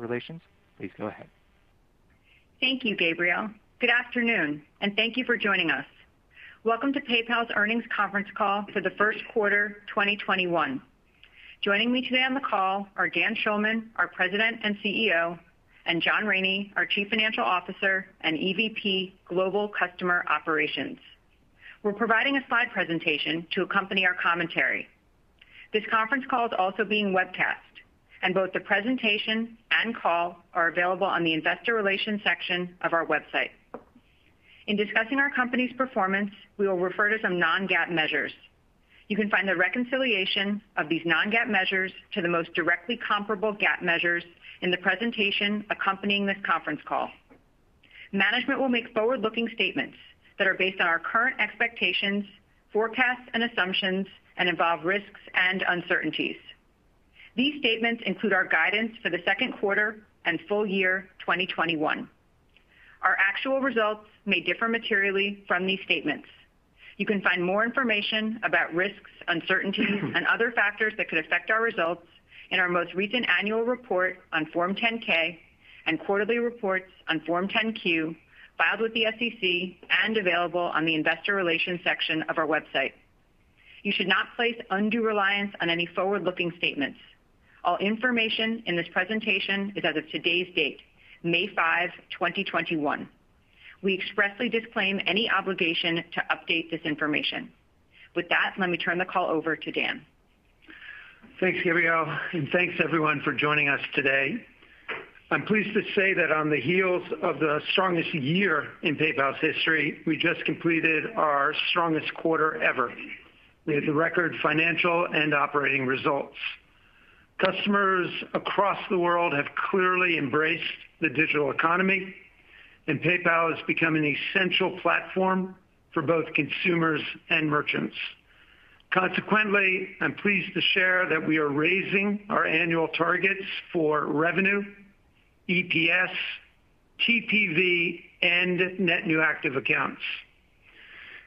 Relations, please go ahead. Thank you, Gabrielle. Good afternoon, thank you for joining us. Welcome to PayPal's Earnings Conference Call for the First Quarter 2021. Joining me today on the call are Dan Schulman, our President and CEO, and John Rainey, our Chief Financial Officer and EVP, Global Customer Operations. We're providing a slide presentation to accompany our commentary. This conference call is also being webcast, both the presentation and call are available on the investor relations section of our website. In discussing our company's performance, we will refer to some non-GAAP measures. You can find the reconciliation of these non-GAAP measures to the most directly comparable GAAP measures in the presentation accompanying this conference call. Management will make forward-looking statements that are based on our current expectations, forecasts, and assumptions, involve risks and uncertainties. These statements include our guidance for the second quarter and full year 2021. Our actual results may differ materially from these statements. You can find more information about risks, uncertainties, and other factors that could affect our results in our most recent annual report on Form 10-K and quarterly reports on Form 10-Q filed with the SEC and available on the investor relations section of our website. You should not place undue reliance on any forward-looking statements. All information in this presentation is as of today's date, May 5, 2021. We expressly disclaim any obligation to update this information. With that, let me turn the call over to Dan. Thanks, Gabrielle. And thanks everyone for joining us today. I'm pleased to say that on the heels of the strongest year in PayPal's history, we just completed our strongest quarter ever with record financial and operating results. Customers across the world have clearly embraced the digital economy, and PayPal has become an essential platform for both consumers and merchants. Consequently, I'm pleased to share that we are raising our annual targets for revenue, EPS, TPV, and Net New Active Accounts.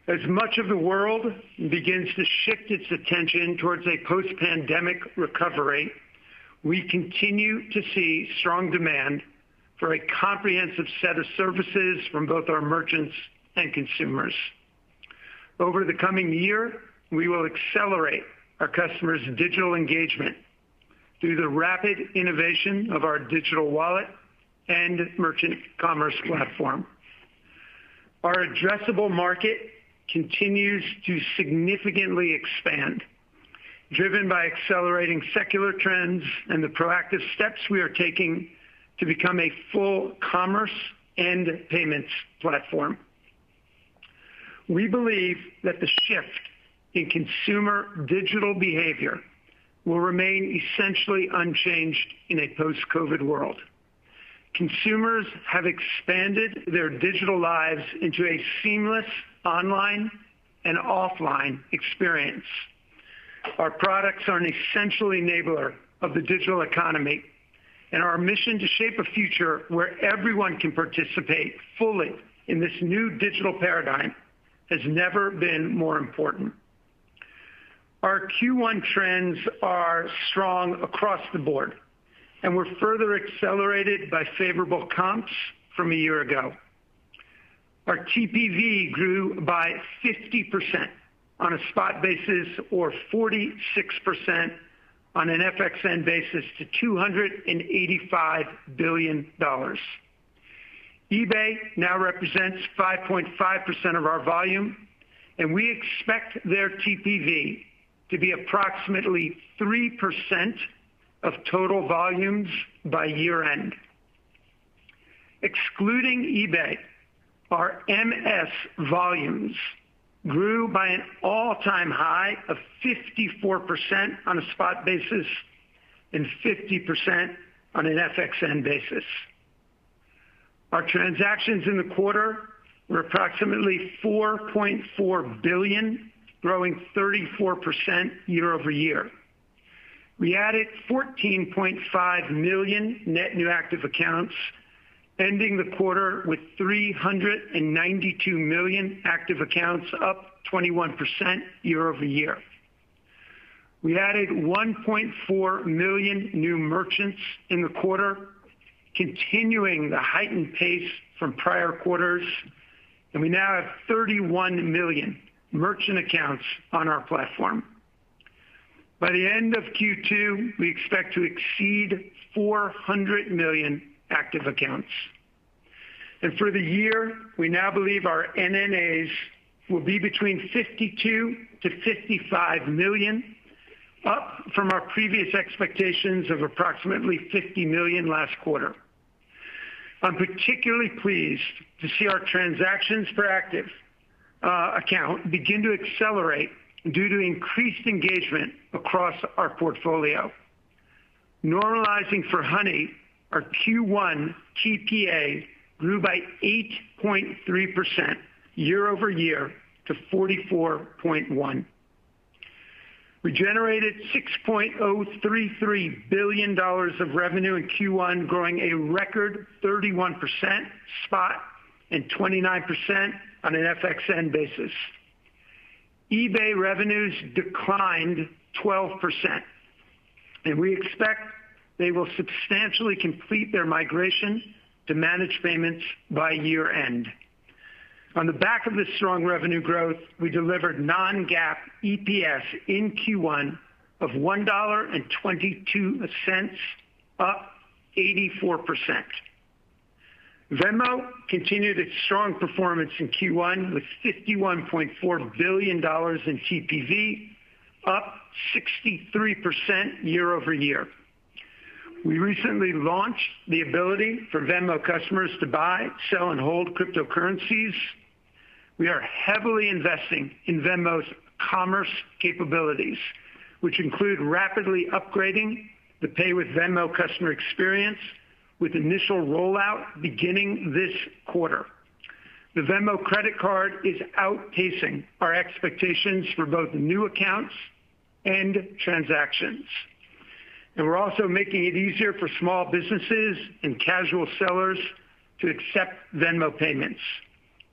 As much of the world begins to shift its attention towards a post-pandemic recovery, we continue to see strong demand for a comprehensive set of services from both our merchants and consumers. Over the coming year, we will accelerate our customers' digital engagement through the rapid innovation of our digital wallet and merchant commerce platform. Our addressable market continues to significantly expand, driven by accelerating secular trends and the proactive steps we are taking to become a full commerce and payments platform. We believe that the shift in consumer digital behavior will remain essentially unchanged in a post-COVID-19 world. Consumers have expanded their digital lives into a seamless online and offline experience. Our products are an essential enabler of the digital economy, and our mission to shape a future where everyone can participate fully in this new digital paradigm has never been more important. Our Q1 trends are strong across the board and were further accelerated by favorable comps from a year ago. Our TPV grew by 50% on a spot basis, or 46% on an FXN basis to $285 billion. eBay now represents 5.5% of our volume, and we expect their TPV to be approximately 3% of total volumes by year-end. Excluding eBay, our MS volumes grew by an all-time high of 54% on a spot basis and 50% on an FXN basis. Our transactions in the quarter were approximately 4.4 billion, growing 34% year-over-year. We added 14.5 million Net New Active Accounts, ending the quarter with 392 million active accounts, up 21% year-over-year. We added 1.4 million new merchants in the quarter, continuing the heightened pace from prior quarters. We now have 31 million merchant accounts on our platform. By the end of Q2, we expect to exceed 400 million active accounts. For the year, we now believe our NNAs will be between 52 million-55 million, up from our previous expectations of approximately 50 million last quarter. I'm particularly pleased to see our transactions per active account begin to accelerate due to increased engagement across our portfolio. Normalizing for Honey, our Q1 TPA grew by 8.3% year-over-year to 44.1. We generated $6.033 billion of revenue in Q1, growing a record 31% spot and 29% on an FXN basis. eBay revenues declined 12%. We expect they will substantially complete their migration to Managed Payments by year-end. On the back of this strong revenue growth, we delivered non-GAAP EPS in Q1 of $1.22, up 84%. Venmo continued its strong performance in Q1 with $51.4 billion in TPV, up 63% year-over-year. We recently launched the ability for Venmo customers to buy, sell and hold cryptocurrencies. We are heavily investing in Venmo's commerce capabilities, which include rapidly upgrading the Pay with Venmo customer experience with initial rollout beginning this quarter. The Venmo Credit Card is outpacing our expectations for both new accounts and transactions. We're also making it easier for small businesses and casual sellers to accept Venmo payments.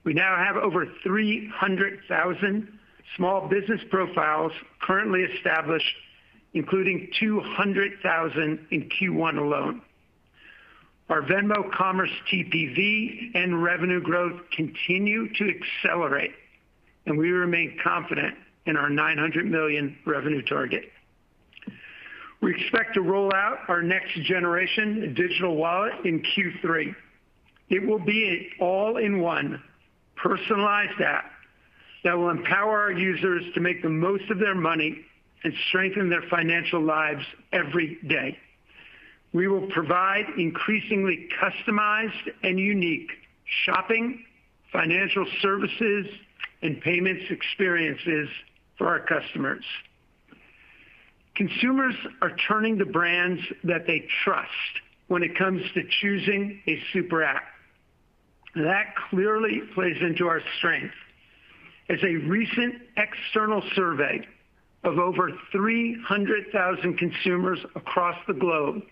We now have over 300,000 small business profiles currently established, including 200,000 in Q1 alone. Our Venmo commerce TPV and revenue growth continue to accelerate, and we remain confident in our $900 million revenue target. We expect to roll out our next generation digital wallet in Q3. It will be an all-in-one personalized app that will empower our users to make the most of their money and strengthen their financial lives every day. We will provide increasingly customized and unique shopping, financial services, and payments experiences for our customers. Consumers are turning to brands that they trust when it comes to choosing a super app. That clearly plays into our strength, as a recent external survey of over 300,000 consumers across the globe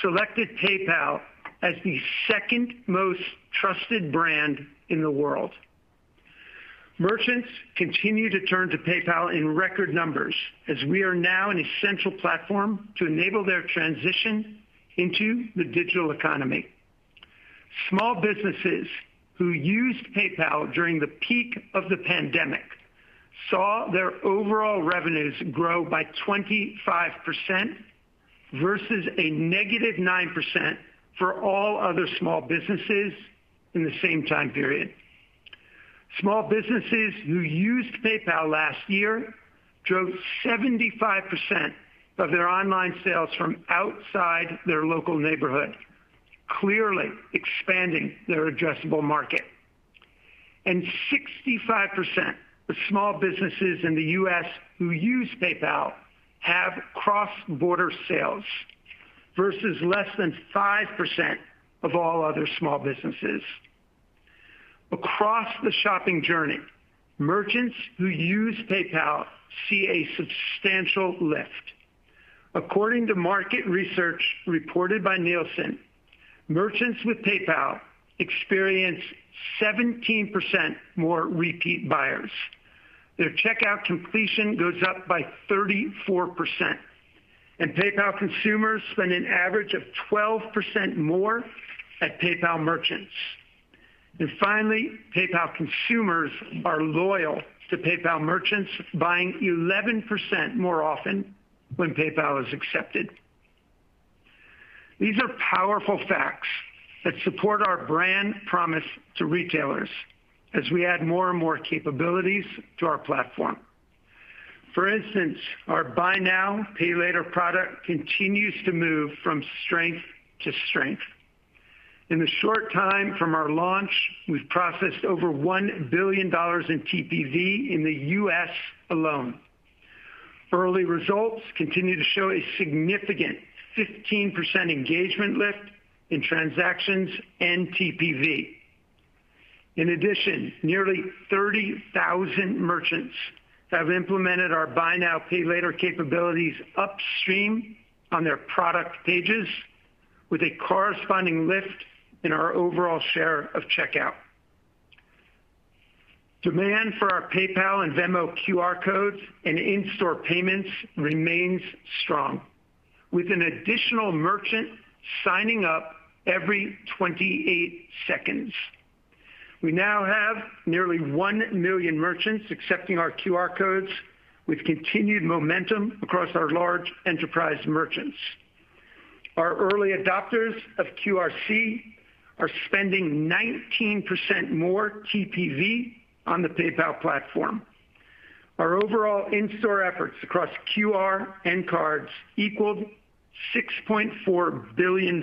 selected PayPal as the second most trusted brand in the world. Merchants continue to turn to PayPal in record numbers as we are now an essential platform to enable their transition into the digital economy. Small businesses who used PayPal during the peak of the pandemic saw their overall revenues grow by 25%, versus a -9% for all other small businesses in the same time period. Small businesses who used PayPal last year drove 75% of their online sales from outside their local neighborhood, clearly expanding their addressable market. 65% of small businesses in the U.S. who use PayPal have cross-border sales, versus less than 5% of all other small businesses. Across the shopping journey, merchants who use PayPal see a substantial lift. According to market research reported by Nielsen, merchants with PayPal experience 17% more repeat buyers. Their checkout completion goes up by 34%, and PayPal consumers spend an average of 12% more at PayPal merchants. Finally, PayPal consumers are loyal to PayPal merchants, buying 11% more often when PayPal is accepted. These are powerful facts that support our brand promise to retailers as we add more and more capabilities to our platform. For instance, our buy now, pay later product continues to move from strength to strength. In the short time from our launch, we've processed over $1 billion in TPV in the U.S. alone. Early results continue to show a significant 15% engagement lift in transactions and TPV. In addition, nearly 30,000 merchants have implemented our buy now, pay later capabilities upstream on their product pages with a corresponding lift in our overall share of checkout. Demand for our PayPal and Venmo QR codes and in-store payments remains strong, with an additional merchant signing up every 28 seconds. We now have nearly 1 million merchants accepting our QR codes with continued momentum across our large enterprise merchants. Our early adopters of QRC are spending 19% more TPV on the PayPal platform. Our overall in-store efforts across QR and cards equaled $6.4 billion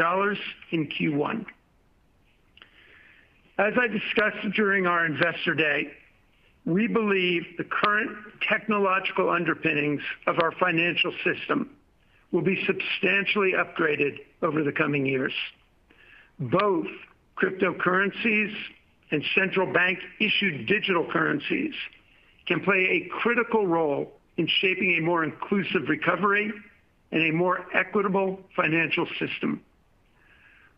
in Q1. As I discussed during our Investor Day, we believe the current technological underpinnings of our financial system will be substantially upgraded over the coming years. Both cryptocurrencies and central bank-issued digital currencies can play a critical role in shaping a more inclusive recovery and a more equitable financial system.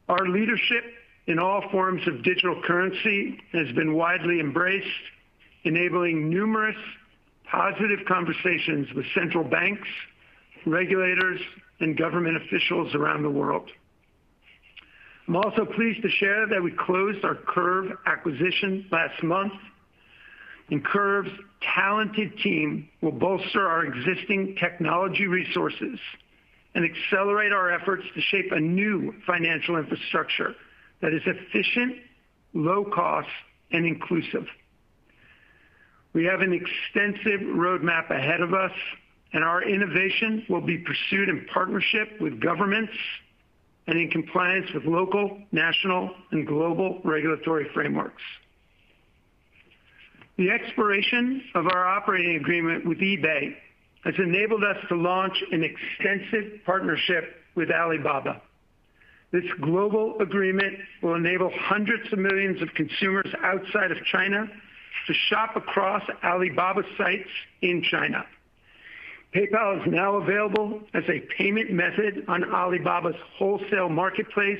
Our leadership in all forms of digital currency has been widely embraced, enabling numerous positive conversations with central banks, regulators, and government officials around the world. I'm also pleased to share that we closed our Curv acquisition last month, and Curv's talented team will bolster our existing technology resources and accelerate our efforts to shape a new financial infrastructure that is efficient, low cost, and inclusive. We have an extensive roadmap ahead of us, and our innovation will be pursued in partnership with governments and in compliance with local, national, and global regulatory frameworks. The expiration of our operating agreement with eBay has enabled us to launch an extensive partnership with Alibaba. This global agreement will enable hundreds of millions of consumers outside of China to shop across Alibaba sites in China. PayPal is now available as a payment method on Alibaba's wholesale marketplace,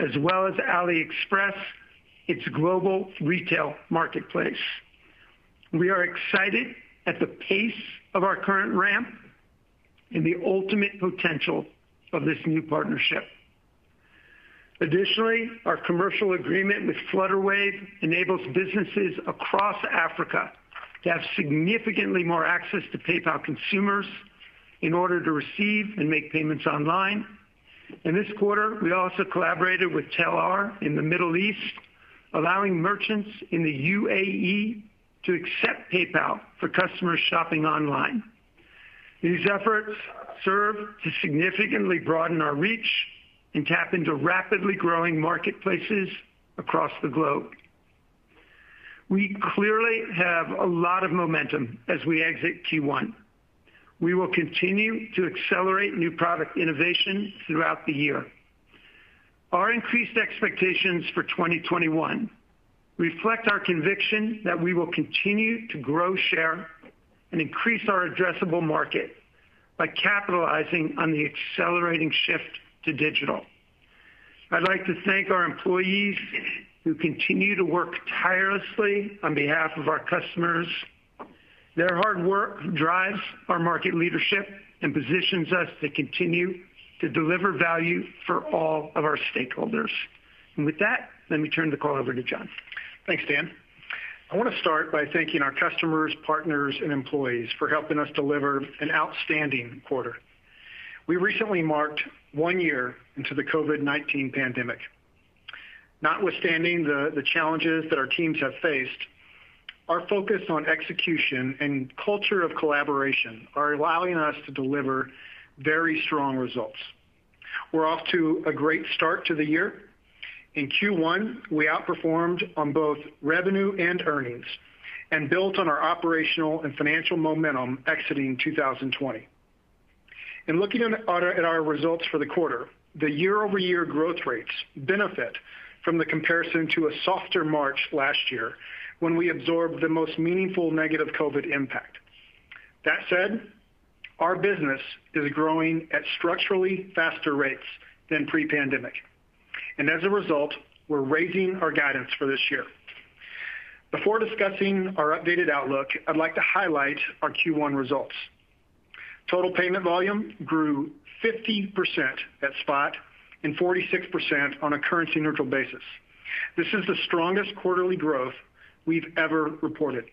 as well as AliExpress, its global retail marketplace. We are excited at the pace of our current ramp and the ultimate potential of this new partnership. Additionally, our commercial agreement with Flutterwave enables businesses across Africa to have significantly more access to PayPal consumers in order to receive and make payments online. In this quarter, we also collaborated with Telr in the Middle East, allowing merchants in the UAE to accept PayPal for customers shopping online. These efforts serve to significantly broaden our reach and tap into rapidly growing marketplaces across the globe. We clearly have a lot of momentum as we exit Q1. We will continue to accelerate new product innovation throughout the year. Our increased expectations for 2021 reflect our conviction that we will continue to grow, share, and increase our addressable market by capitalizing on the accelerating shift to digital. I'd like to thank our employees who continue to work tirelessly on behalf of our customers. Their hard work drives our market leadership and positions us to continue to deliver value for all of our stakeholders. With that, let me turn the call over to John. Thanks, Dan. I want to start by thanking our customers, partners, and employees for helping us deliver an outstanding quarter. We recently marked one year into the COVID-19 pandemic. Notwithstanding the challenges that our teams have faced, our focus on execution and culture of collaboration are allowing us to deliver very strong results. We're off to a great start to the year. In Q1, we outperformed on both revenue and earnings and built on our operational and financial momentum exiting 2020. In looking at our results for the quarter, the year-over-year growth rates benefit from the comparison to a softer March last year, when we absorbed the most meaningful negative COVID impact. That said, our business is growing at structurally faster rates than pre-pandemic. As a result, we're raising our guidance for this year. Before discussing our updated outlook, I'd like to highlight our Q1 results. Total payment volume grew 50% at spot and 46% on a currency neutral basis. This is the strongest quarterly growth we've ever reported.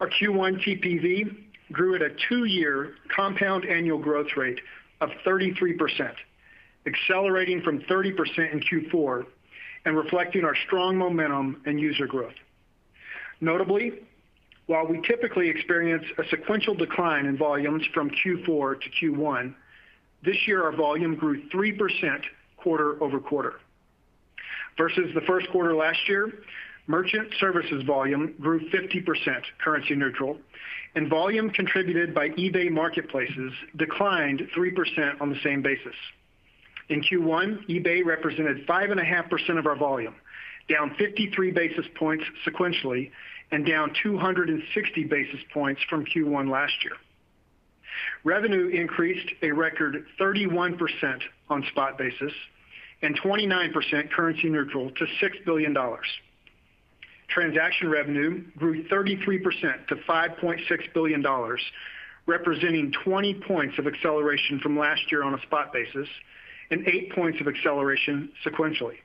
Our Q1 TPV grew at a two-year compound annual growth rate of 33%, accelerating from 30% in Q4 and reflecting our strong momentum and user growth. Notably, while we typically experience a sequential decline in volumes from Q4 to Q1, this year our volume grew 3% quarter-over-quarter. Versus the first quarter last year, Merchant Services volume grew 50% currency neutral, and volume contributed by eBay marketplaces declined 3% on the same basis. In Q1, eBay represented 5.5% of our volume, down 53 basis points sequentially and down 260 basis points from Q1 last year. Revenue increased a record 31% on spot basis and 29% currency neutral to $6 billion. Transaction revenue grew 33% to $5.6 billion, representing 20 points of acceleration from last year on a spot basis and eight points of acceleration sequentially.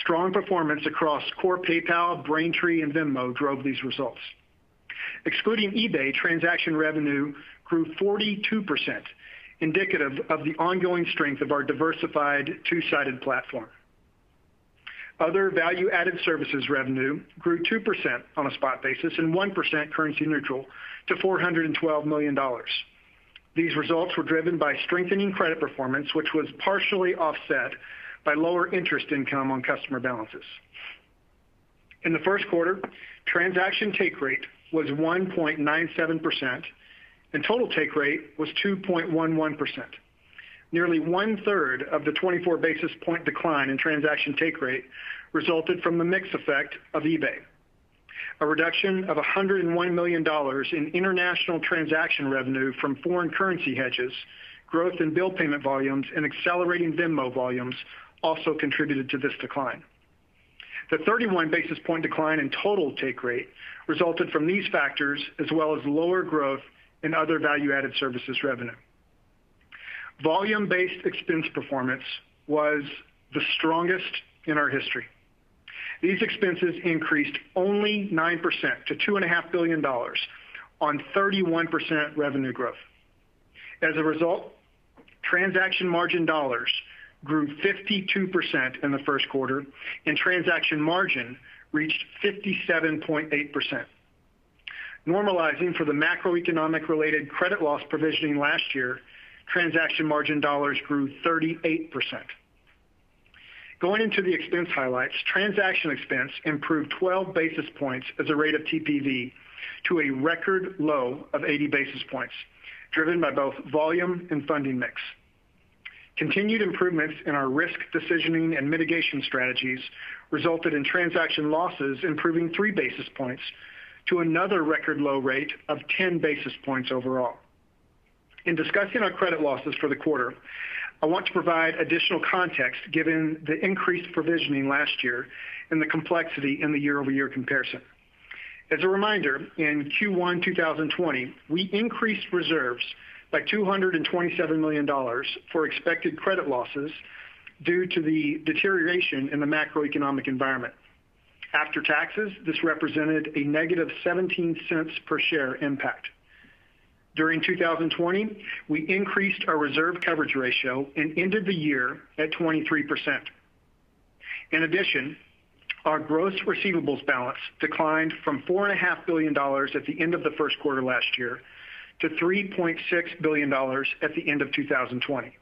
Strong performance across core PayPal, Braintree, and Venmo drove these results. Excluding eBay, transaction revenue grew 42%, indicative of the ongoing strength of our diversified two-sided platform. Other value-added services revenue grew 2% on a spot basis and 1% currency neutral to $412 million. These results were driven by strengthening credit performance, which was partially offset by lower interest income on customer balances. In the first quarter, transaction take rate was 1.97%, and total take rate was 2.11%. Nearly 1/3 of the 24 basis points decline in transaction take rate resulted from the mix effect of eBay. A reduction of $101 million in international transaction revenue from foreign currency hedges, growth in bill payment volumes, and accelerating Venmo volumes also contributed to this decline. The 31 basis point decline in total take rate resulted from these factors, as well as lower growth in other value-added services revenue. Volume-based expense performance was the strongest in our history. These expenses increased only 9% to $2.5 billion on 31% revenue growth. As a result, transaction margin dollars grew 52% in the first quarter, and transaction margin reached 57.8%. Normalizing for the macroeconomic-related credit loss provisioning last year, transaction margin dollars grew 38%. Going into the expense highlights, transaction expense improved 12 basis points as a rate of TPV to a record low of 80 basis points, driven by both volume and funding mix. Continued improvements in our risk decisioning and mitigation strategies resulted in transaction losses improving three basis points to another record low rate of 10 basis points overall. In discussing our credit losses for the quarter, I want to provide additional context given the increased provisioning last year and the complexity in the year-over-year comparison. As a reminder, in Q1 2020, we increased reserves by $227 million for expected credit losses due to the deterioration in the macroeconomic environment. After taxes, this represented a negative $0.17 per share impact. During 2020, we increased our reserve coverage ratio and ended the year at 23%. In addition, our gross receivables balance declined from $4.5 billion at the end of the first quarter last year to $3.6 billion at the end of 2020.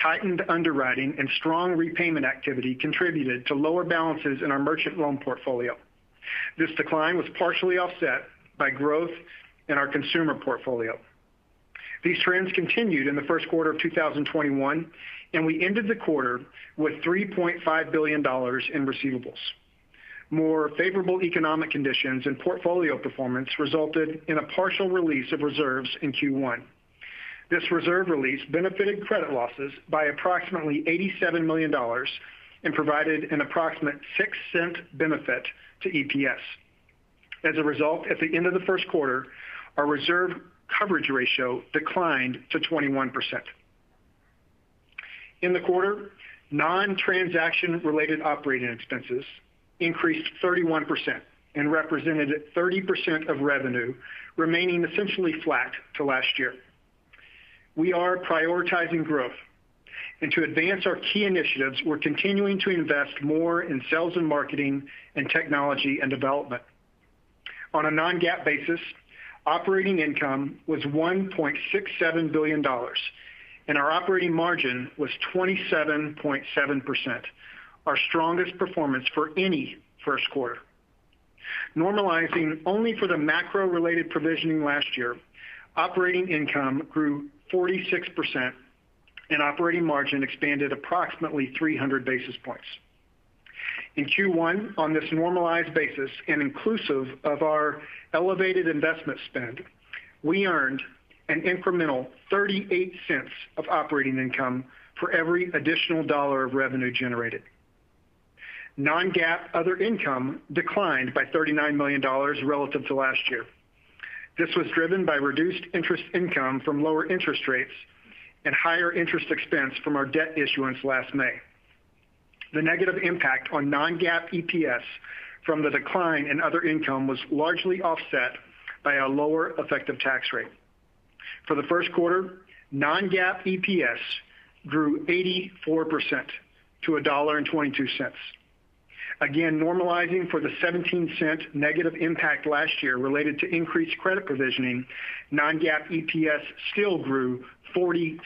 Tightened underwriting and strong repayment activity contributed to lower balances in our merchant loan portfolio. This decline was partially offset by growth in our consumer portfolio. These trends continued in the first quarter of 2021, and we ended the quarter with $3.5 billion in receivables. More favorable economic conditions and portfolio performance resulted in a partial release of reserves in Q1. This reserve release benefited credit losses by approximately $87 million and provided an approximate $0.06 benefit to EPS. As a result, at the end of the first quarter, our reserve coverage ratio declined to 21%. In the quarter, non-transaction related operating expenses increased 31% and represented 30% of revenue, remaining essentially flat to last year. We are prioritizing growth, and to advance our key initiatives, we're continuing to invest more in sales and marketing and technology and development. On a non-GAAP basis, operating income was $1.67 billion, and our operating margin was 27.7%, our strongest performance for any first quarter. Normalizing only for the macro-related provisioning last year, operating income grew 46%, and operating margin expanded approximately 300 basis points. In Q1, on this normalized basis, inclusive of our elevated investment spend, we earned an incremental $0.38 of operating income for every additional dollar of revenue generated. Non-GAAP other income declined by $39 million relative to last year. This was driven by reduced interest income from lower interest rates and higher interest expense from our debt issuance last May. The negative impact on Non-GAAP EPS from the decline in other income was largely offset by a lower effective tax rate. For the first quarter, Non-GAAP EPS grew 84% to $1.22. Again, normalizing for the $0.17 negative impact last year related to increased credit provisioning, Non-GAAP EPS still grew 47%.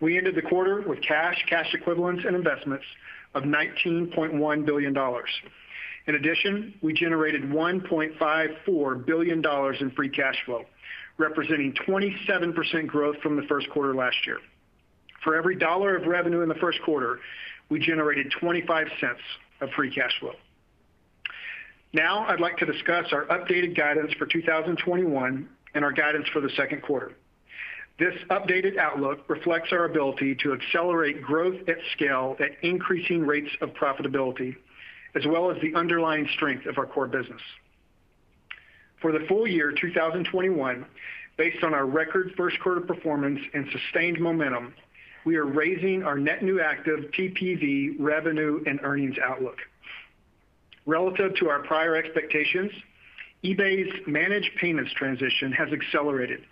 We ended the quarter with cash equivalents, and investments of $19.1 billion. In addition, we generated $1.54 billion in free cash flow, representing 27% growth from the first quarter last year. For every $1 of revenue in the first quarter, we generated $0.25 of free cash flow. Now I'd like to discuss our updated guidance for 2021 and our guidance for the second quarter. This updated outlook reflects our ability to accelerate growth at scale at increasing rates of profitability, as well as the underlying strength of our core business. For the full year 2021, based on our record first quarter performance and sustained momentum, we are raising our net new active TPV revenue and earnings outlook. Relative to our prior expectations, eBay's Managed Payments transition has accelerated,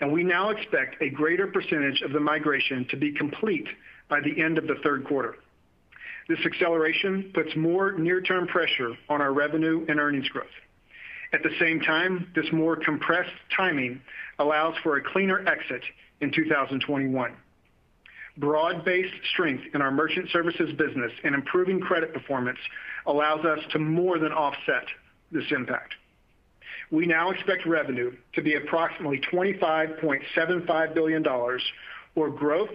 and we now expect a greater percentage of the migration to be complete by the end of the third quarter. This acceleration puts more near-term pressure on our revenue and earnings growth. At the same time, this more compressed timing allows for a cleaner exit in 2021. Broad-based strength in our Merchant Services business and improving credit performance allows us to more than offset this impact. We now expect revenue to be approximately $25.75 billion, or growth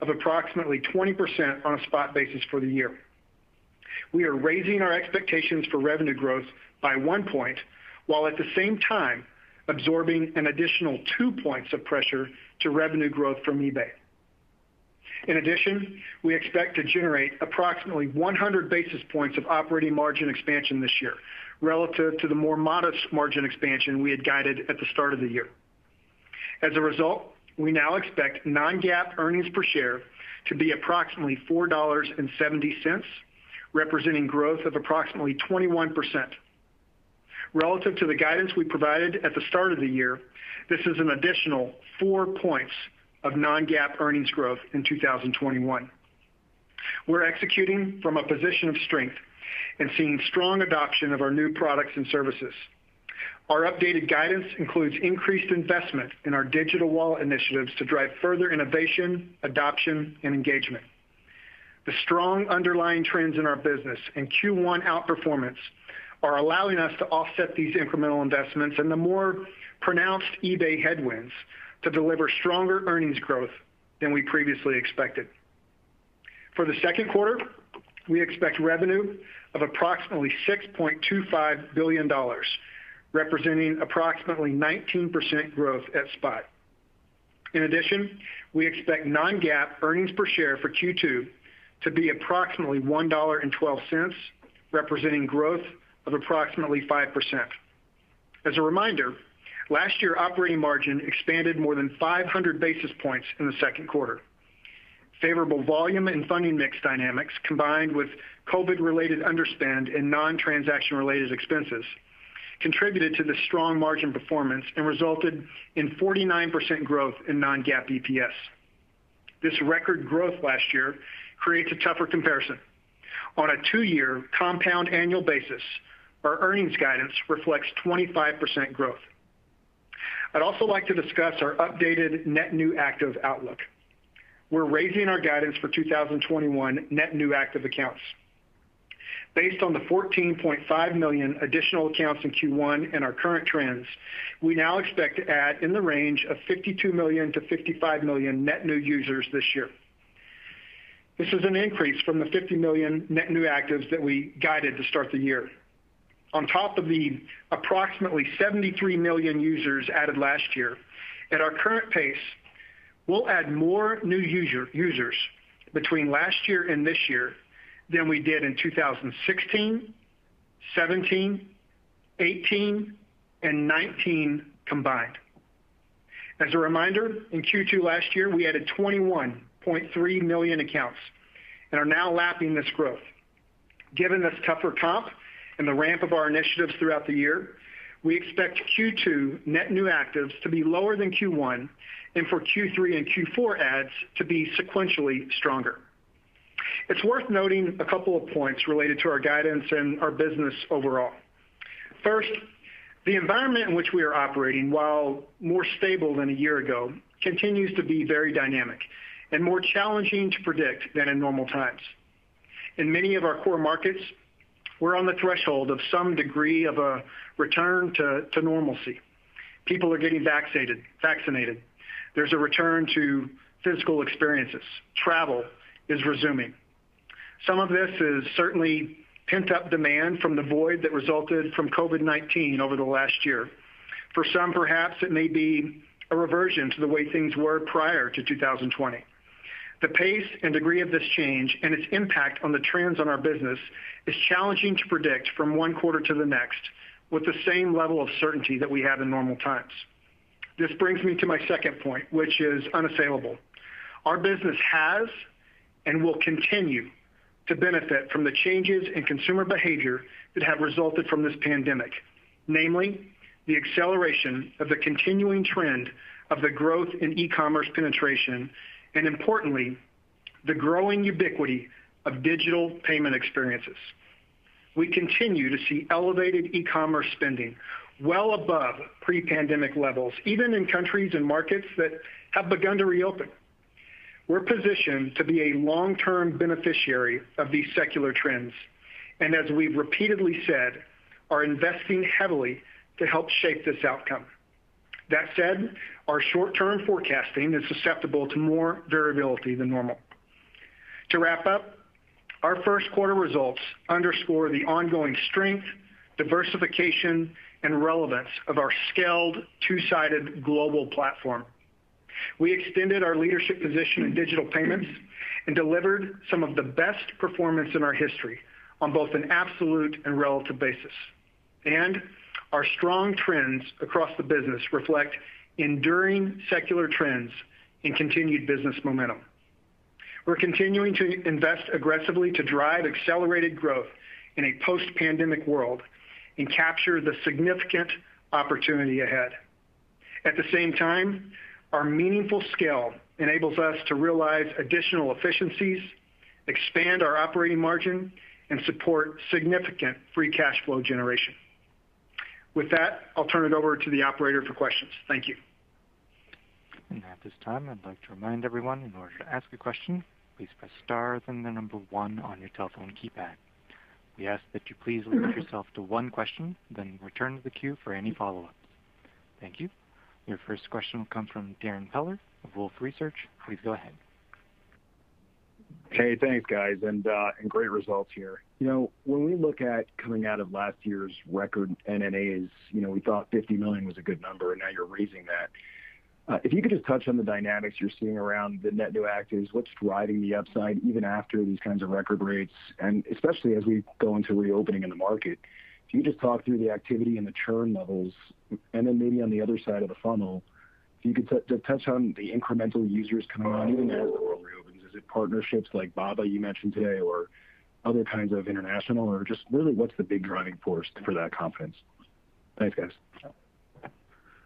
of approximately 20% on a spot basis for the year. We are raising our expectations for revenue growth by one point, while at the same time absorbing an additional two points of pressure to revenue growth from eBay. In addition, we expect to generate approximately 100 basis points of operating margin expansion this year, relative to the more modest margin expansion we had guided at the start of the year. As a result, we now expect non-GAAP earnings per share to be approximately $4.70, representing growth of approximately 21%. Relative to the guidance we provided at the start of the year, this is an an additional four points of non-GAAP earnings growth in 2021. We're executing from a position of strength and seeing strong adoption of our new products and services. Our updated guidance includes increased investment in our digital wallet initiatives to drive further innovation, adoption, and engagement. The strong underlying trends in our business and Q1 outperformance are allowing us to offset these incremental investments and the more pronounced eBay headwinds to deliver stronger earnings growth than we previously expected. For the second quarter, we expect revenue of approximately $6.25 billion, representing approximately 19% growth at spot. In addition, we expect non-GAAP EPS for Q2 to be approximately $1.12, representing growth of approximately 5%. As a reminder, last year operating margin expanded more than 500 basis points in the second quarter. Favorable volume and funding mix dynamics, combined with COVID-related underspend and non-transaction related expenses, contributed to the strong margin performance and resulted in 49% growth in non-GAAP EPS. This record growth last year creates a tougher comparison. On a two-year compound annual basis, our earnings guidance reflects 25% growth. I'd also like to discuss our updated Net New Active outlook. We're raising our guidance for 2021 Net New Active Accounts. Based on the 14.5 million additional accounts in Q1 and our current trends, we now expect to add in the range of 52 million-55 million net new users this year. This is an increase from the 50 million Net New Actives that we guided to start the year. On top of the approximately 73 million users added last year, at our current pace, we'll add more new users between last year and this year than we did in 2016, 2017, 2018, and 2019 combined. As a reminder, in Q2 last year, we added 21.3 million accounts, and are now lapping this growth. Given this tougher comp and the ramp of our initiatives throughout the year, we expect Q2 Net New Actives to be lower than Q1, and for Q3 and Q4 adds to be sequentially stronger. It's worth noting a couple of points related to our guidance and our business overall. First, the environment in which we are operating, while more stable than a year ago, continues to be very dynamic and more challenging to predict than in normal times. In many of our core markets, we're on the threshold of some degree of a return to normalcy. People are getting vaccinated. There's a return to physical experiences. Travel is resuming. Some of this is certainly pent-up demand from the void that resulted from COVID-19 over the last year. For some, perhaps, it may be a reversion to the way things were prior to 2020. The pace and degree of this change and its impact on the trends on our business is challenging to predict from one quarter to the next with the same level of certainty that we had in normal times. This brings me to my second point, which is unassailable. Our business has and will continue to benefit from the changes in consumer behavior that have resulted from this pandemic, namely, the acceleration of the continuing trend of the growth in e-commerce penetration, and importantly, the growing ubiquity of digital payment experiences. We continue to see elevated e-commerce spending well above pre-pandemic levels, even in countries and markets that have begun to reopen. We're positioned to be a long-term beneficiary of these secular trends, and as we've repeatedly said, are investing heavily to help shape this outcome. That said, our short-term forecasting is susceptible to more variability than normal. To wrap up, our first quarter results underscore the ongoing strength, diversification, and relevance of our scaled two-sided global platform. We extended our leadership position in digital payments and delivered some of the best performance in our history on both an absolute and relative basis. Our strong trends across the business reflect enduring secular trends and continued business momentum. We're continuing to invest aggressively to drive accelerated growth in a post-pandemic world and capture the significant opportunity ahead. At the same time, our meaningful scale enables us to realize additional efficiencies, expand our operating margin, and support significant free cash flow generation. With that, I'll turn it over to the operator for questions. Thank you. At this time, I'd like to remind everyone, in order to ask a question, please press star, then the number one on your telephone keypad. We ask that you please limit yourself to one question, then return to the queue for any follow-ups. Thank you. Your first question will come from Darrin Peller of Wolfe Research. Please go ahead. Okay, thanks, guys. Great results here. When we look at coming out of last year's record NNAs, we thought 50 million was a good number. Now you're raising that. If you could just touch on the dynamics you're seeing around the Net New Actives, what's driving the upside, even after these kinds of record rates, especially as we go into reopening in the market. Can you just talk through the activity and the churn levels? Maybe on the other side of the funnel, if you could touch on the incremental users coming on, even as the world reopens. Is it partnerships like Baba you mentioned today, or other kinds of international, or just really what's the big driving force for that confidence? Thanks, guys.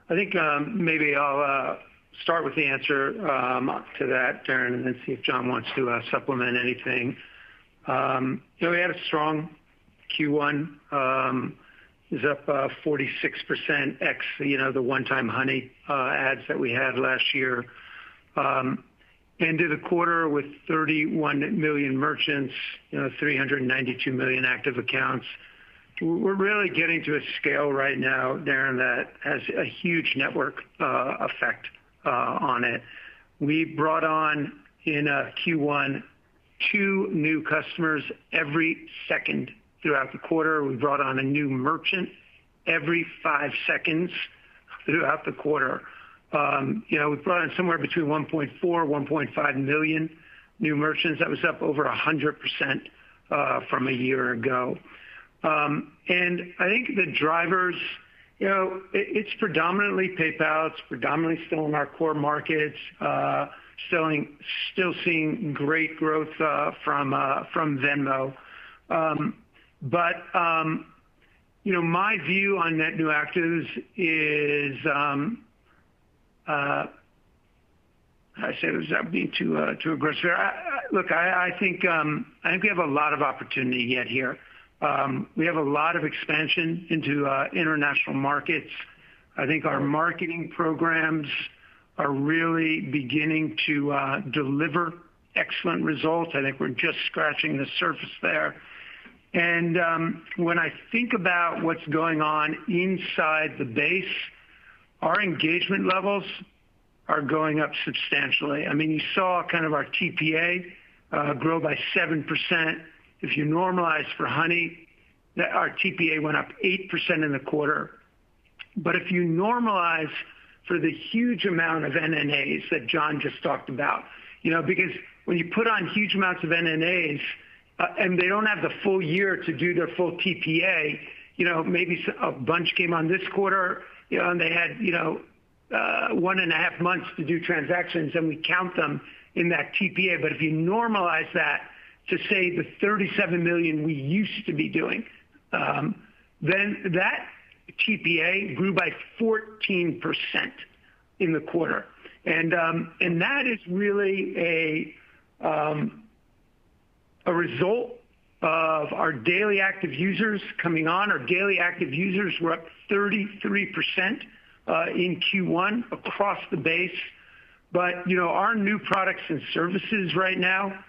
I think maybe I'll start with the answer to that, Darrin, and then see if John wants to supplement anything. We had a strong Q1. It was up 46% ex the one-time Honey adds that we had last year. Ended the quarter with 31 million merchants, 392 million active accounts. We're really getting to a scale right now, Darrin, that has a huge network effect on it. We brought on, in Q1, two new customers every second throughout the quarter. We brought on a new merchant every five seconds throughout the quarter. We brought on somewhere between 1.4, 1.5 million new merchants. That was up over 100% from a year ago. I think the drivers, it's predominantly PayPal. It's predominantly still in our core markets. Still seeing great growth from Venmo. My view on net new actives, how do I say this without being too aggressive here? Look, I think we have a lot of opportunity yet here. We have a lot of expansion into international markets. I think our marketing programs are really beginning to deliver excellent results. I think we're just scratching the surface there. When I think about what's going on inside the base, our engagement levels are going up substantially. You saw our TPA grow by 7%. If you normalize for Honey, our TPA went up 8% in the quarter. If you normalize for the huge amount of NNAs that John just talked about. When you put on huge amounts of NNAs, and they don't have the full year to do their full TPA. Maybe a bunch came on this quarter, and they had one and a half months to do transactions, then we count them in that TPA. If you normalize that to, say, the 37 million we used to be doing, then that TPA grew by 14% in the quarter. That is really a result of our daily active users coming on. Our daily active users were up 33% in Q1 across the base. Our new products and services right now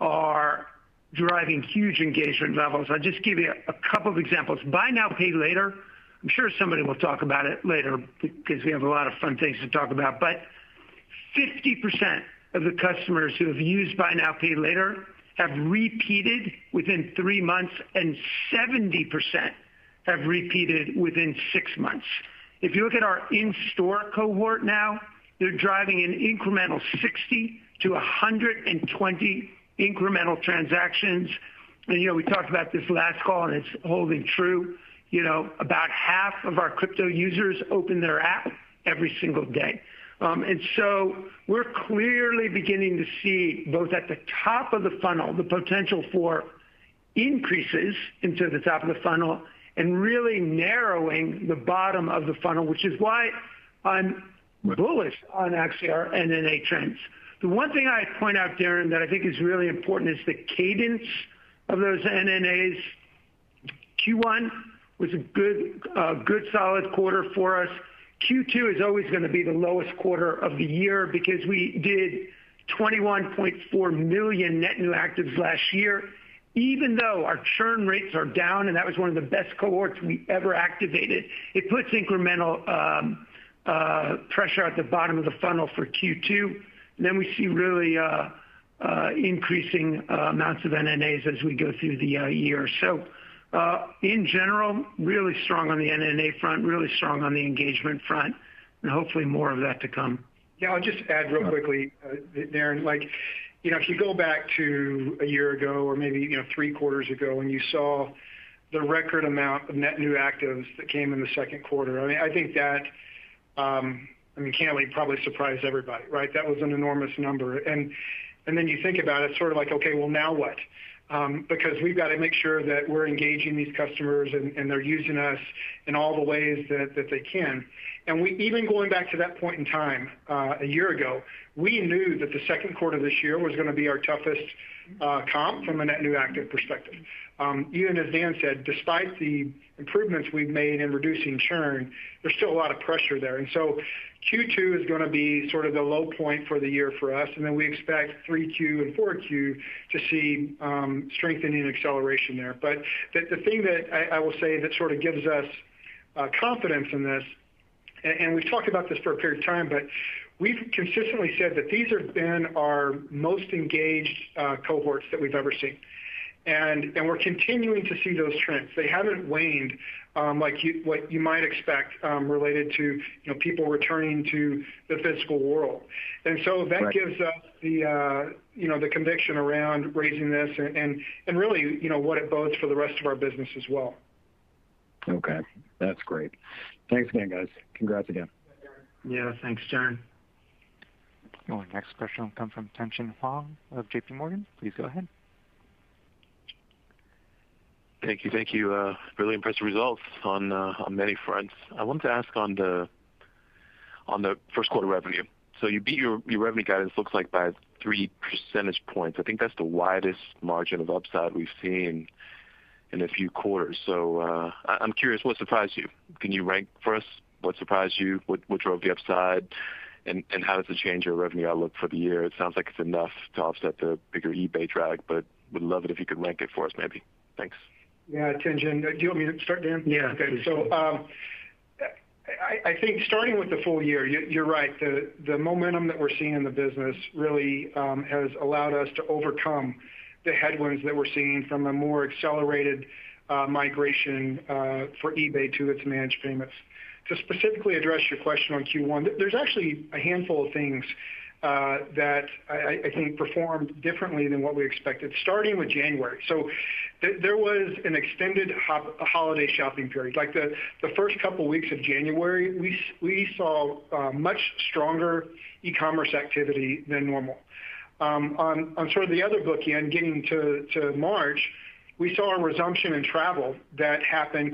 are driving huge engagement levels. I'll just give you a couple of examples. Buy now, pay later. I'm sure somebody will talk about it later because we have a lot of fun things to talk about. 50% of the customers who have used buy now, pay later have repeated within three months, and 70% have repeated within six months. If you look at our in-store cohort now, they're driving an incremental 60-120 incremental transactions. We talked about this last call, and it's holding true. About half of our crypto users open their app every single day. We're clearly beginning to see both at the top of the funnel, the potential for increases into the top of the funnel, and really narrowing the bottom of the funnel, which is why I'm bullish on actually our NNA trends. The one thing I'd point out, Darrin, that I think is really important is the cadence of those NNAs. Q1 was a good solid quarter for us. Q2 is always going to be the lowest quarter of the year because we did 21.4 million net new actives last year, even though our churn rates are down, and that was one of the best cohorts we ever activated. It puts incremental pressure at the bottom of the funnel for Q2. We see really increasing amounts of NNAs as we go through the year. In general, really strong on the NNA front, really strong on the engagement front, and hopefully more of that to come. I'll just add real quickly, Darrin. If you go back to a year ago or maybe three quarters ago, and you saw the record amount of Net New Actives that came in the second quarter, I think that, I mean, can't really probably surprise everybody, right. That was an enormous number. You think about it sort of like, okay, well now what? We've got to make sure that we're engaging these customers and they're using us in all the ways that they can. Even going back to that point in time a year ago. We knew that the second quarter of this year was going to be our toughest comp from a Net New Active perspective. Even as Dan said, despite the improvements we've made in reducing churn, there's still a lot of pressure there. Q2 is going to be sort of the low point for the year for us, and then we expect 3Q and 4Q to see strengthening acceleration there. The thing that I will say that sort of gives us confidence in this, and we've talked about this for a period of time, but we've consistently said that these have been our most engaged cohorts that we've ever seen. We're continuing to see those trends. They haven't waned like what you might expect related to people returning to the physical world. That gives us the conviction around raising this and really what it bodes for the rest of our business as well. Okay, that's great. Thanks again, guys. Congrats again. Yeah. Thanks, Darrin. Our next question will come from Tien-Tsin Huang of JPMorgan. Please go ahead. Thank you. Really impressive results on many fronts. I wanted to ask on the first quarter revenue. You beat your revenue guidance, looks like by three percentage points. I think that's the widest margin of upside we've seen in a few quarters. I'm curious what surprised you? Can you rank for us what surprised you? What drove the upside? How does it change your revenue outlook for the year? It sounds like it's enough to offset the bigger eBay drag, would love it if you could rank it for us, maybe. Thanks. Yeah, Tien-Tsin. Do you want me to start, Dan? Yeah. Okay. I think starting with the full year, you're right. The momentum that we're seeing in the business really has allowed us to overcome the headwinds that we're seeing from a more accelerated migration for eBay to its Managed Payments. To specifically address your question on Q1, there's actually a handful of things that I think performed differently than what we expected, starting with January. There was an extended holiday shopping period. Like the first couple weeks of January, we saw much stronger e-commerce activity than normal. On sort of the other bookend, getting to March, we saw a resumption in travel that happened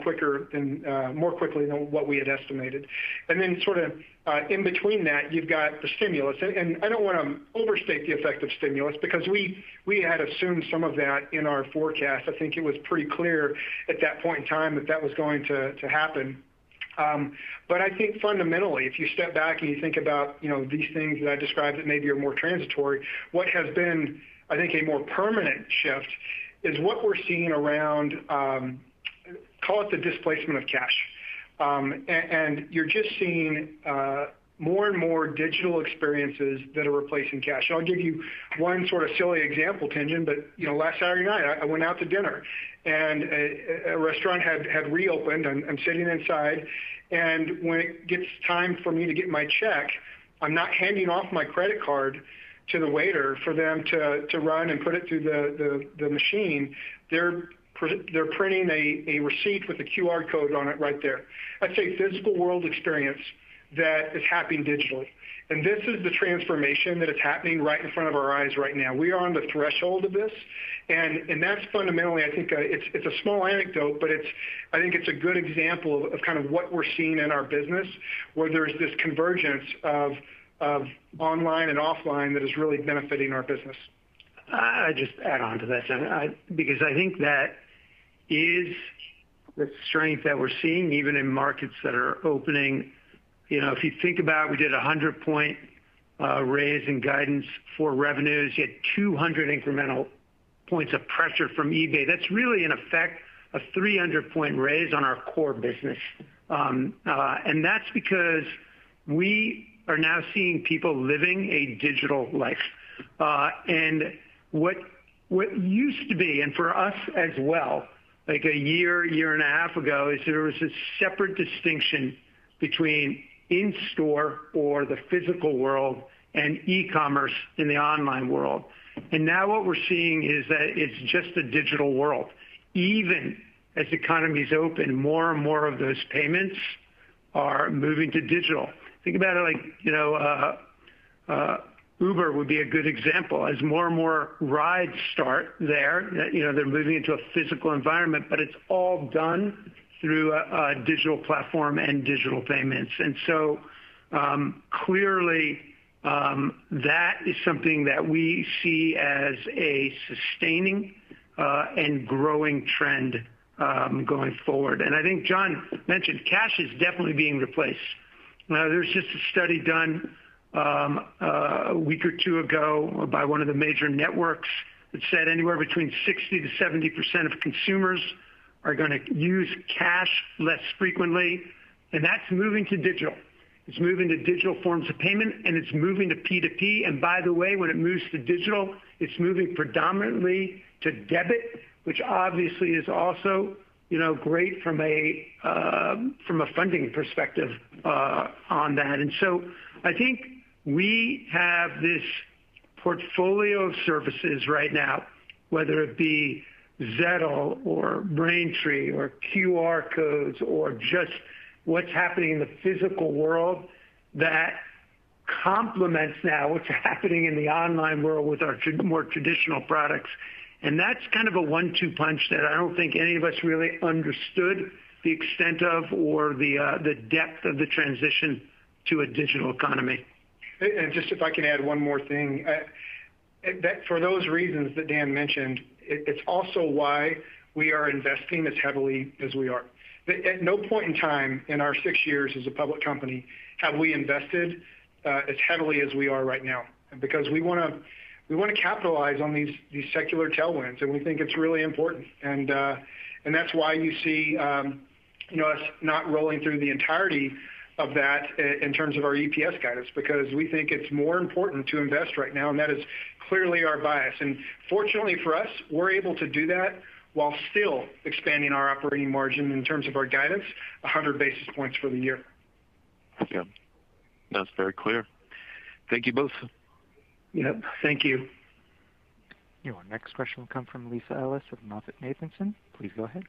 more quickly than what we had estimated. Sort of in between that, you've got the stimulus. I don't want to overstate the effect of stimulus because we had assumed some of that in our forecast. I think it was pretty clear at that point in time that that was going to happen. I think fundamentally, if you step back and you think about these things that I described that maybe are more transitory, what has been, I think, a more permanent shift is what we're seeing around, call it the displacement of cash. You're just seeing more and more digital experiences that are replacing cash. I'll give you one sort of silly example, Tien-Tsin, but last Saturday night, I went out to dinner. A restaurant had reopened. I'm sitting inside. When it gets time for me to get my check, I'm not handing off my credit card to the waiter for them to run and put it through the machine. They're printing a receipt with a QR code on it right there. That's a physical world experience that is happening digitally. This is the transformation that is happening right in front of our eyes right now. We are on the threshold of this. That's fundamentally, I think it's a small anecdote, but I think it's a good example of kind of what we're seeing in our business, where there's this convergence of online and offline that is really benefiting our business. I'll just add on to that Tien-Tsin, because I think that is the strength that we're seeing even in markets that are opening. If you think about we did 100 point raise in guidance for revenues, yet 200 incremental points of pressure from eBay. That's really an effect, a 300-point raise on our core business. That's because we are now seeing people living a digital life. What used to be, and for us as well, like a year and a half ago, is there was a separate distinction between in-store or the physical world and e-commerce in the online world. Now what we're seeing is that it's just a digital world. Even as economies open, more and more of those payments are moving to digital. Think about it like Uber would be a good example. As more and more rides start there, they're moving into a physical environment, but it's all done through a digital platform and digital payments. Clearly, that is something that we see as a sustaining and growing trend going forward. I think John mentioned cash is definitely being replaced. There was just a study done a week or two ago by one of the major networks that said anywhere between 60%-70% of consumers are going to use cash less frequently. That's moving to digital. It's moving to digital forms of payment, and it's moving to P2P. By the way, when it moves to digital, it's moving predominantly to debit, which obviously is also great from a funding perspective on that. I think we have this portfolio of services right now, whether it be Xoom or Braintree or QR codes or just what's happening in the physical world that complements now what's happening in the online world with our more traditional products. That's kind of a one-two punch that I don't think any of us really understood the extent of or the depth of the transition to a digital economy. Just if I can add one more thing. For those reasons that Dan mentioned, it's also why we are investing as heavily as we are. At no point in time in our six years as a public company have we invested as heavily as we are right now, because we want to capitalize on these secular tailwinds, and we think it's really important. That's why you see us not rolling through the entirety of that in terms of our EPS guidance, because we think it's more important to invest right now, and that is clearly our bias. Fortunately for us, we're able to do that while still expanding our operating margin in terms of our guidance 100 basis points for the year. Yeah. That's very clear. Thank you both. Yep. Thank you. Your next question will come from Lisa Ellis of MoffettNathanson. Please go ahead.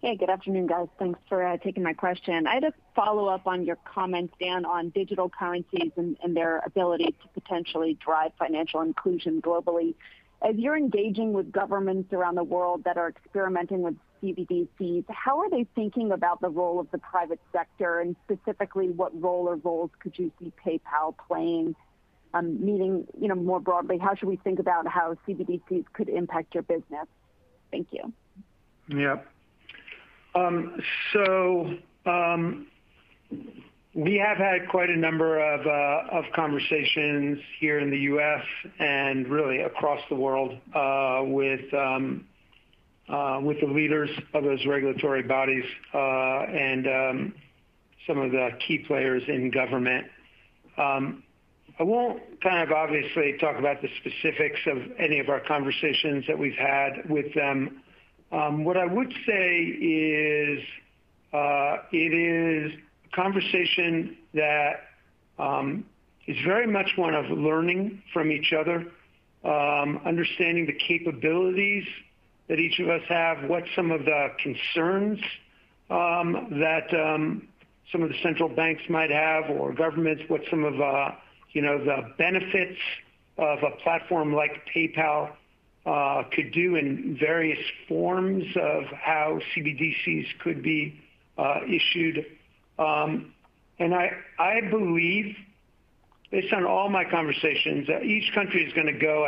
Hey, good afternoon, guys. Thanks for taking my question. I had a follow-up on your comments, Dan, on digital currencies and their ability to potentially drive financial inclusion globally. As you're engaging with governments around the world that are experimenting with CBDCs, how are they thinking about the role of the private sector, and specifically, what role or roles could you see PayPal playing? Meaning, more broadly, how should we think about how CBDCs could impact your business? Thank you. Yeah. We have had quite a number of conversations here in the U.S. and really across the world with the leaders of those regulatory bodies, and some of the key players in government. I won't obviously talk about the specifics of any of our conversations that we've had with them. What I would say is, it is a conversation that is very much one of learning from each other, understanding the capabilities that each of us have, what some of the concerns that some of the central banks might have or governments, what some of the benefits of a platform like PayPal could do in various forms of how CBDCs could be issued. I believe based on all my conversations, that each country is going to go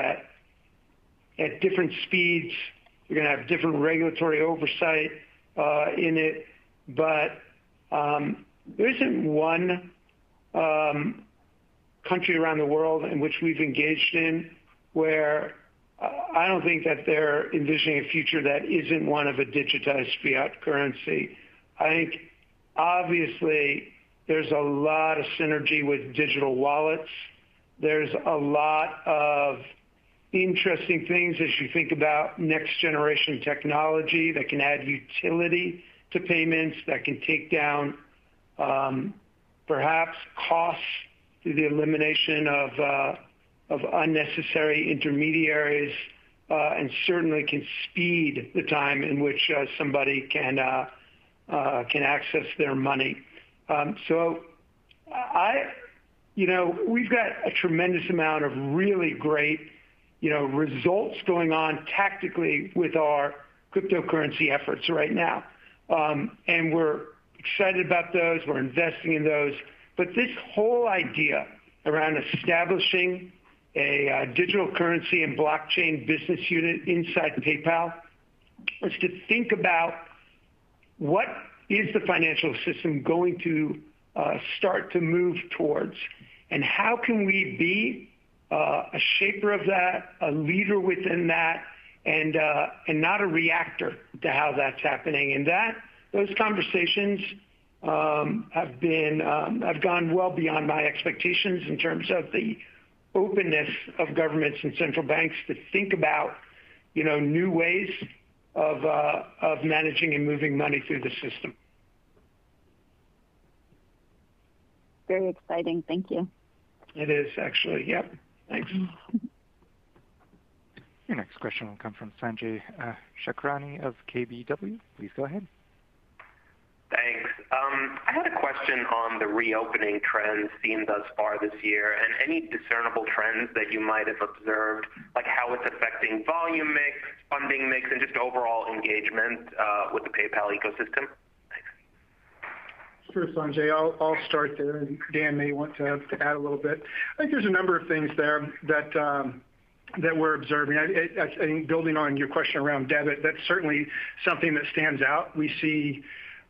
at different speeds. They're going to have different regulatory oversight in it. There isn't one country around the world in which we've engaged in where I don't think that they're envisioning a future that isn't one of a digitized fiat currency. I think obviously there's a lot of synergy with digital wallets. There's a lot of interesting things as you think about next generation technology that can add utility to payments, that can take down perhaps costs through the elimination of unnecessary intermediaries, and certainly can speed the time in which somebody can access their money. We've got a tremendous amount of really great results going on tactically with our cryptocurrency efforts right now. We're excited about those. We're investing in those. This whole idea around establishing a digital currency and blockchain business unit inside PayPal is to think about what is the financial system going to start to move towards, and how can we be a shaper of that, a leader within that, and not a reactor to how that's happening. Those conversations have gone well beyond my expectations in terms of the openness of governments and central banks to think about new ways of managing and moving money through the system. Very exciting. Thank you. It is actually. Yep. Thanks. Your next question will come from Sanjay Sakhrani of KBW. Please go ahead. Thanks. I had a question on the reopening trends seen thus far this year and any discernible trends that you might have observed, like how it's affecting volume mix, funding mix, and just overall engagement with the PayPal ecosystem. Thanks. Sure, Sanjay. I'll start there. Dan may want to add a little bit. I think there's a number of things there that we're observing. I think building on your question around debit, that's certainly something that stands out. We see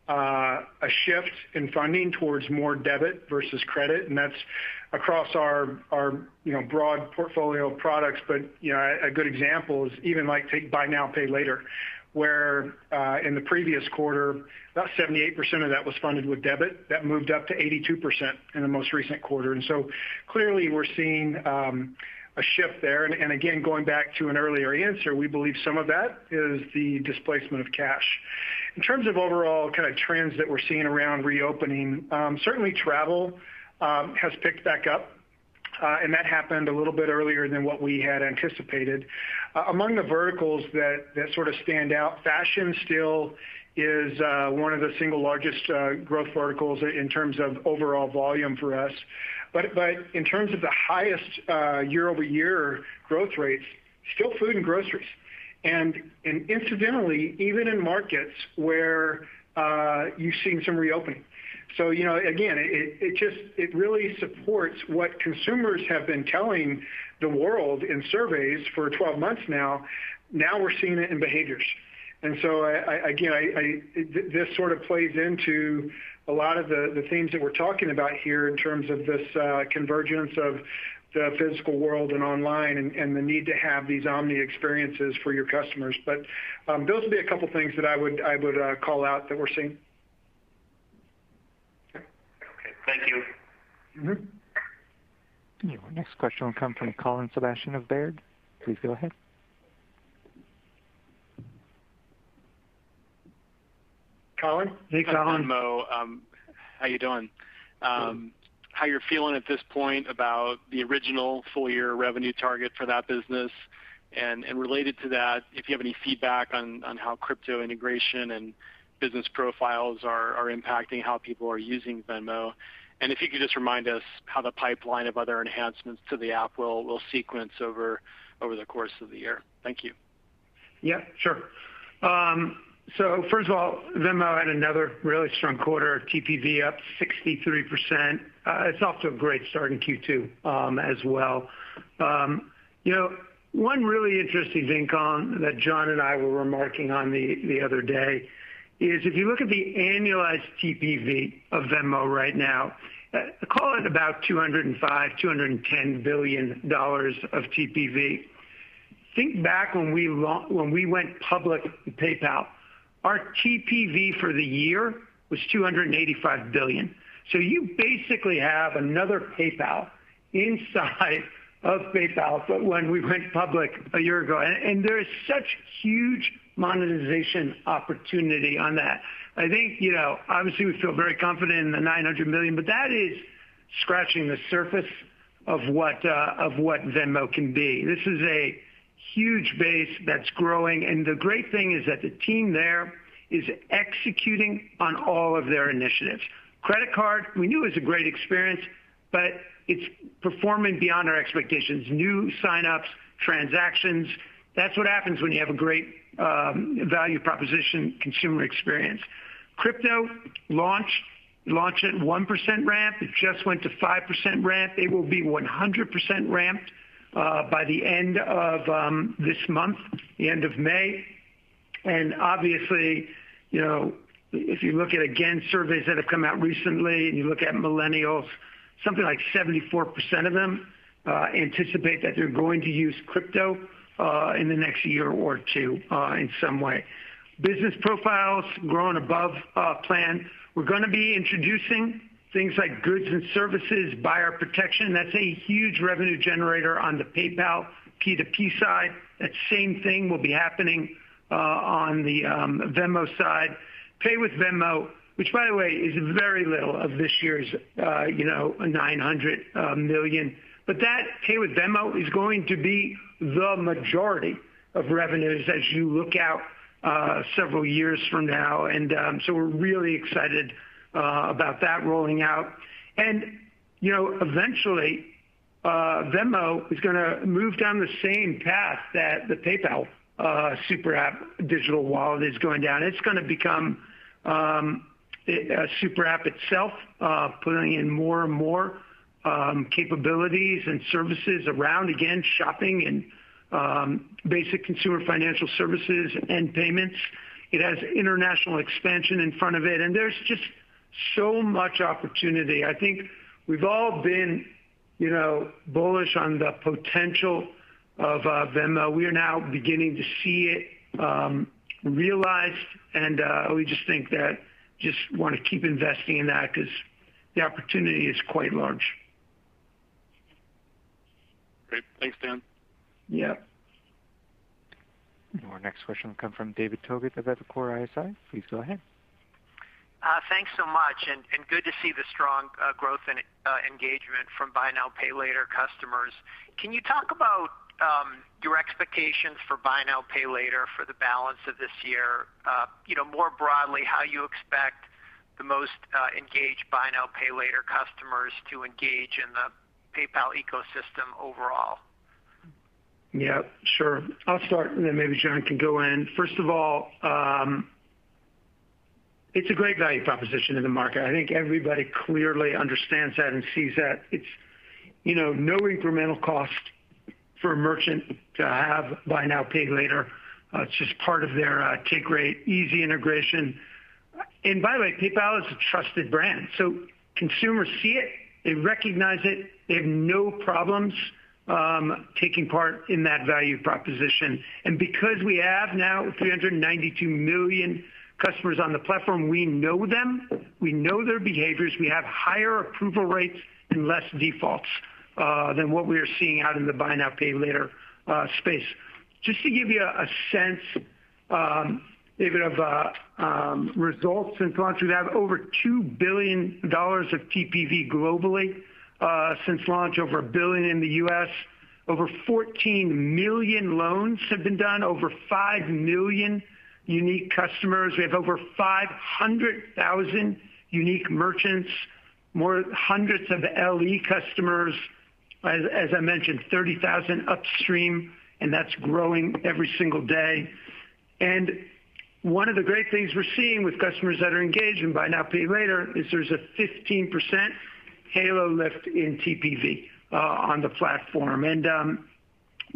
a shift in funding towards more debit versus credit. That's across our broad portfolio of products. A good example is even like take buy now, pay later, where in the previous quarter, about 78% of that was funded with debit. That moved up to 82% in the most recent quarter. Clearly, we're seeing a shift there. Again, going back to an earlier answer, we believe some of that is the displacement of cash. In terms of overall trends that we're seeing around reopening, certainly travel has picked back up. That happened a little bit earlier than what we had anticipated. Among the verticals that sort of stand out, fashion still is one of the single largest growth verticals in terms of overall volume for us. In terms of the highest year-over-year growth rates, still food and groceries. Incidentally, even in markets where you're seeing some reopening. Again, it really supports what consumers have been telling the world in surveys for 12 months now. Now we're seeing it in behaviors. Again, this sort of plays into a lot of the themes that we're talking about here in terms of this convergence of the physical world and online, and the need to have these omnichannel experiences for your customers. Those would be a couple things that I would call out that we're seeing. Okay. Thank you. Your next question will come from Colin Sebastian of Baird. Please go ahead. Colin? Hey, Colin. Hi, Morning. How you doing? Good. How you're feeling at this point about the original full-year revenue target for that business? Related to that, if you have any feedback on how crypto integration and business profiles are impacting how people are using Venmo. If you could just remind us how the pipeline of other enhancements to the app will sequence over the course of the year. Thank you. Yeah, sure. First of all, Venmo had another really strong quarter. TPV up 63%. It's off to a great start in Q2 as well. One really interesting thing, Colin, that John and I were remarking on the other day is if you look at the annualized TPV of Venmo right now, call it about $205 billion-$210 billion of TPV. Think back when we went public with PayPal, our TPV for the year was $285 billion. You basically have another PayPal inside of PayPal from when we went public a year ago, and there is such huge monetization opportunity on that. I think obviously we feel very confident in the $900 million, but that is scratching the surface of what Venmo can be. This is a huge base that's growing, and the great thing is that the team there is executing on all of their initiatives. Credit card, we knew it was a great experience, but it's performing beyond our expectations. New sign-ups, transactions. That's what happens when you have a great value proposition consumer experience. Crypto launch at 1% ramp. It just went to 5% ramp. It will be 100% ramped by the end of this month, the end of May. Obviously, if you look at, again, surveys that have come out recently, and you look at millennials, something like 74% of them anticipate that they're going to use crypto in the next year or two in some way. Business profiles growing above plan. We're going to be introducing things like Goods and Services Buyer Protection. That's a huge revenue generator on the PayPal P2P side. That same thing will be happening on the Venmo side. Pay with Venmo, which by the way, is very little of this year's $900 million. That Pay with Venmo is going to be the majority of revenues as you look out several years from now. We're really excited about that rolling out. Eventually, Venmo is going to move down the same path that the PayPal Super App digital wallet is going down. It's going to become a super app itself, putting in more and more capabilities and services around, again, shopping and basic consumer financial services and payments. It has international expansion in front of it, and there's just so much opportunity. I think we've all been bullish on the potential of Venmo. We are now beginning to see it realized, and we just think that just want to keep investing in that because the opportunity is quite large. Great. Thanks, Dan. Yeah. Our next question will come from David Togut of Evercore ISI. Please go ahead. Thanks so much. Good to see the strong growth and engagement from buy now, pay later customers. Can you talk about your expectations for buy now, pay later for the balance of this year? More broadly, how you expect the most engaged buy now, pay later customers to engage in the PayPal ecosystem overall? Yeah, sure. I'll start, and then maybe John can go in. First of all, it's a great value proposition in the market. I think everybody clearly understands that and sees that. It's no incremental cost for a merchant to have buy now, pay later. It is just part of their take rate, easy integration. By the way, PayPal is a trusted brand, so consumers see it, they recognize it, they have no problems taking part in that value proposition. Because we have now 392 million customers on the platform, we know them, we know their behaviors, we have higher approval rates and less defaults than what we are seeing out in the buy now, pay later space. Just to give you a sense, David, of results since launch, we have over $2 billion of TPV globally since launch, over $1 billion in the U.S. Over 14 million loans have been done, over 5 million unique customers. We have over 500,000 unique merchants, more hundreds of LE customers, as I mentioned, 30,000 upstream, and that's growing every single day. One of the great things we're seeing with customers that are engaged in buy now, pay later is there's a 15% halo lift in TPV on the platform.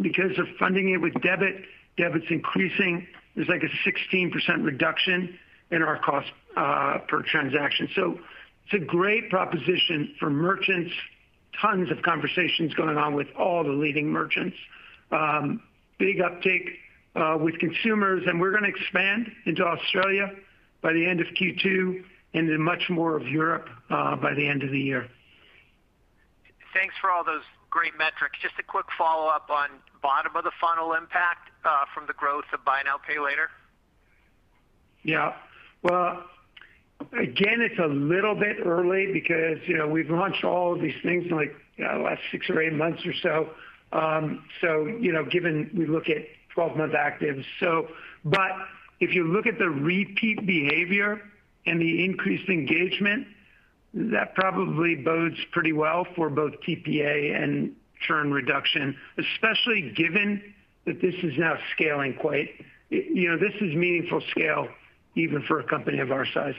Because of funding it with debit's increasing. There's a 16% reduction in our cost per transaction. It's a great proposition for merchants. Tons of conversations going on with all the leading merchants. Big uptake with consumers, and we're going to expand into Australia by the end of Q2 and into much more of Europe by the end of the year. Thanks for all those great metrics. Just a quick follow-up on bottom of the funnel impact from the growth of buy now, pay later. Yeah. Well, again, it's a little bit early because we've launched all of these things in the last six or eight months or so. Given we look at 12-month actives. If you look at the repeat behavior and the increased engagement, that probably bodes pretty well for both TPA and churn reduction, especially given that this is now scaling quite... This is meaningful scale even for a company of our size.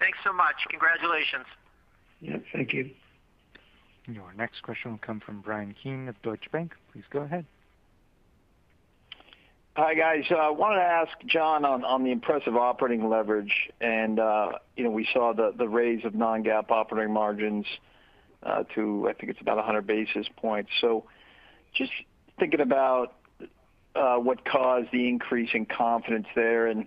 Thanks so much. Congratulations. Yeah. Thank you. Your next question will come from Bryan Keane of Deutsche Bank. Please go ahead. Hi, guys. I wanted to ask John on the impressive operating leverage, and we saw the raise of non-GAAP operating margins to, I think it's about 100 basis points. Just thinking about what caused the increase in confidence there, and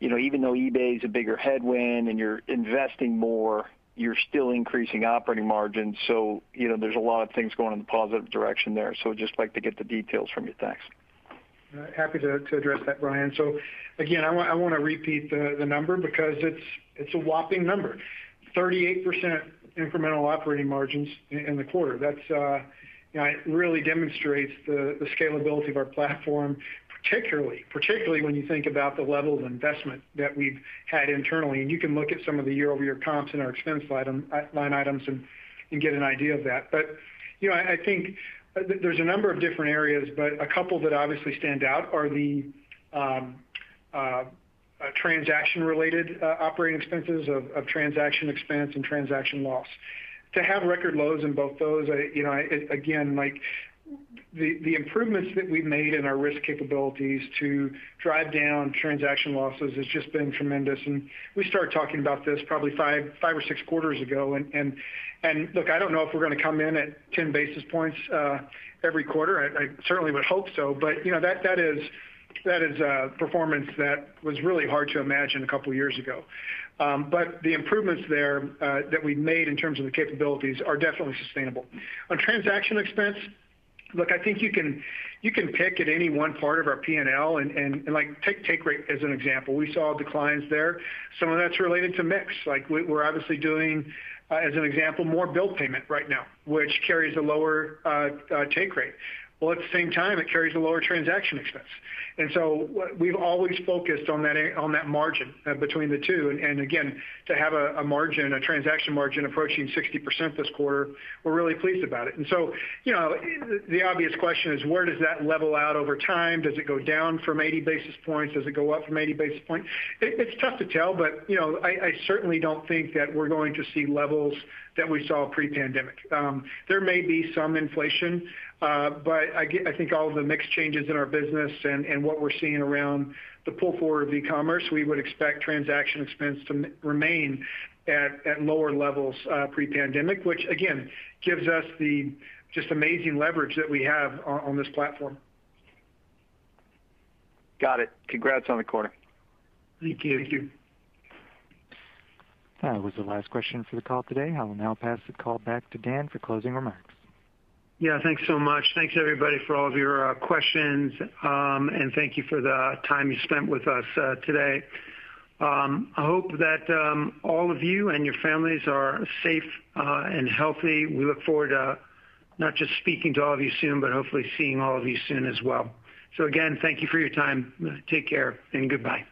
even though eBay is a bigger headwind and you're investing more, you're still increasing operating margins. There's a lot of things going in the positive direction there. Just like to get the details from you. Thanks. Happy to address that, Bryan. Again, I want to repeat the number because it's a whopping number. 38% incremental operating margins in the quarter. That really demonstrates the scalability of our platform, particularly when you think about the level of investment that we've had internally. You can look at some of the year-over-year comps in our expense line items and get an idea of that. I think there's a number of different areas, but a couple that obviously stand out are the transaction-related operating expenses of transaction expense and transaction loss. To have record lows in both those, again, the improvements that we've made in our risk capabilities to drive down transaction losses has just been tremendous. We started talking about this probably five or six quarters ago. Look, I don't know if we're going to come in at 10 basis points every quarter. I certainly would hope so. That is a performance that was really hard to imagine a couple of years ago. The improvements there that we've made in terms of the capabilities are definitely sustainable. On transaction expense, look, I think you can pick at any one part of our P&L and take rate as an example. We saw declines there. Some of that's related to mix. We're obviously doing, as an example, more bill payment right now, which carries a lower take rate. At the same time, it carries a lower transaction expense. We've always focused on that margin between the two. Again, to have a transaction margin approaching 60% this quarter, we're really pleased about it. The obvious question is, where does that level out over time? Does it go down from 80 basis points? Does it go up from 80 basis points? It's tough to tell, I certainly don't think that we're going to see levels that we saw pre-pandemic. There may be some inflation. I think all of the mix changes in our business and what we're seeing around the pull forward of e-commerce, we would expect transaction expense to remain at lower levels pre-pandemic, which again, gives us the just amazing leverage that we have on this platform. Got it. Congrats on the quarter. Thank you. Thank you. That was the last question for the call today. I will now pass the call back to Dan for closing remarks. Yeah. Thanks so much. Thanks everybody for all of your questions, and thank you for the time you spent with us today. I hope that all of you and your families are safe and healthy. We look forward to not just speaking to all of you soon, but hopefully seeing all of you soon as well. Again, thank you for your time. Take care, and goodbye.